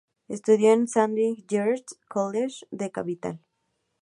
Estudió en el Saint George's College de la capital.